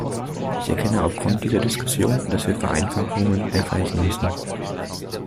Ich erkenne aufgrund dieser Diskussion, dass wir Vereinfachungen erreichen müssen.